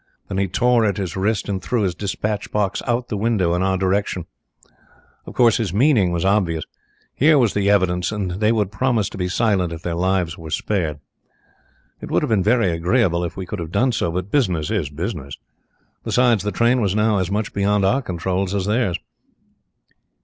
Then he tore at his wrist and threw his dispatch box out of the window in our direction. Of course, his meaning was obvious. Here was the evidence, and they would promise to be silent if their lives were spared. It would have been very agreeable if we could have done so, but business is business. Besides, the train was now as much beyond our controls as theirs.